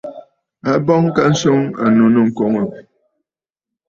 A bɔŋ ka swɔŋ ànnù nɨkoŋǝ̀.